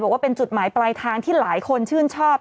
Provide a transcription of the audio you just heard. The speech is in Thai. บอกว่าเป็นจุดหมายปลายทางที่หลายคนชื่นชอบ